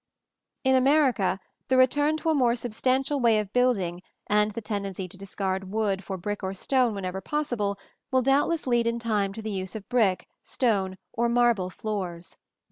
In America the return to a more substantial way of building and the tendency to discard wood for brick or stone whenever possible will doubtless lead in time to the use of brick, stone or marble floors.